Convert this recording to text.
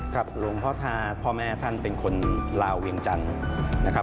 หลวงพ่อท่าพ่อแม่ท่านเป็นคนลาวเวียงจันทร์นะครับ